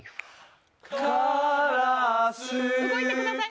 からす動いてください。